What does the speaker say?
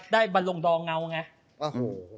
ได้บรรลองดอเงาไง